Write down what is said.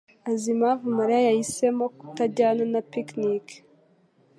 azi impamvu Mariya yahisemo kutajyana na picnic.